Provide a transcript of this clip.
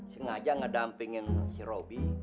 sengaja ngedampingin si robi